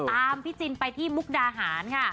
ตามพี่จินไปที่มุกดาหารค่ะ